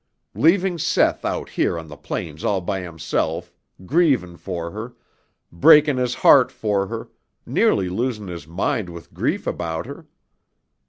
Leaving Seth out here on the plains all by himself, grievin' for her, breakin' his heart for her, nearly losin' his mind with grief about her.